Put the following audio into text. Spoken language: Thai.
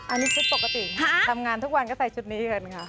อันนี้ชุดปกติค่ะทำงานทุกวันก็ใส่ชุดนี้กันค่ะ